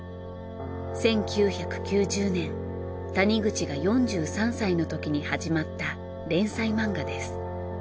１９９０年谷口が４３歳のときに始まった連載漫画です。